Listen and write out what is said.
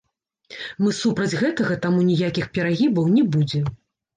Мы супраць гэтага, таму ніякіх перагібаў не будзе.